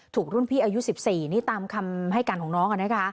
ถูกรุ่นพี่อายุ๑๔นี่ตามคำให้การของน้อง